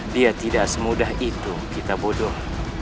dia tidak semudah itu kita bodoh